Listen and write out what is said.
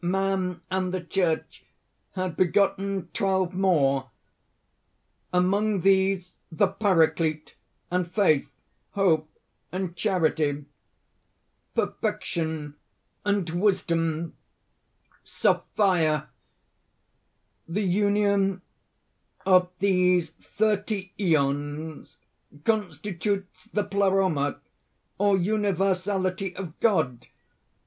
Man and the Church had begotten twelve more among these the Paraclete and Faith, Hope and Charity, Perfection and Wisdom Sophia. "The union of these thirty Æons constitutes the Pleroma, or Universality of God.